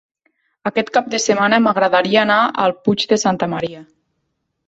Aquest cap de setmana m'agradaria anar al Puig de Santa Maria.